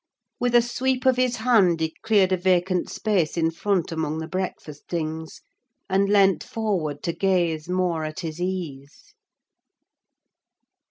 With a sweep of his hand he cleared a vacant space in front among the breakfast things, and leant forward to gaze more at his ease.